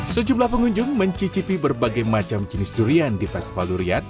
sejumlah pengunjung mencicipi berbagai macam jenis durian di fespal durian